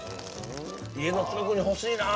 家の近くに欲しいな。